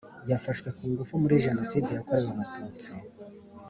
Yafashwe ku ngufu muri Jenoside yakorewe Abatutsi